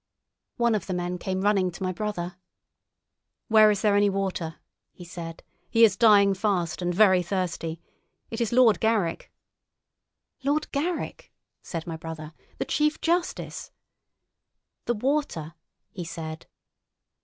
One of the men came running to my brother. "Where is there any water?" he said. "He is dying fast, and very thirsty. It is Lord Garrick." "Lord Garrick!" said my brother; "the Chief Justice?" "The water?" he said.